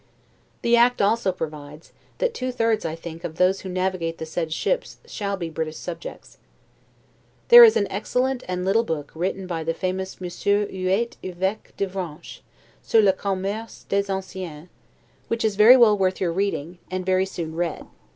The act also provides, that two thirds, I think, of those who navigate the said ships shall be British subjects. There is an excellent, and little book, written by the famous Monsieur Huet Eveque d'Avranches, 'Sur le Commerce des Anciens', which is very well worth your reading, and very soon read.